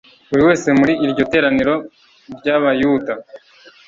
buri wese muri iryo teraniro ry'abayuda